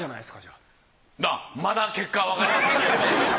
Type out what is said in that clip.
あっまだ結果はわかりませんけどね。